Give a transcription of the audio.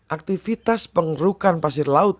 aktivitas pengerukan pasir laut